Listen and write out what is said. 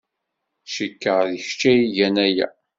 Cikkeɣ d kečč ay igan aya.